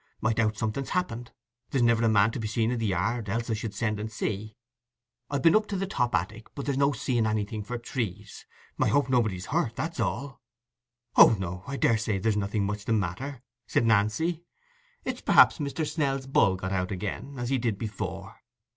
I doubt something's happened. There's niver a man to be seen i' the yard, else I'd send and see. I've been up into the top attic, but there's no seeing anything for trees. I hope nobody's hurt, that's all." "Oh, no, I daresay there's nothing much the matter," said Nancy. "It's perhaps Mr. Snell's bull got out again, as he did before."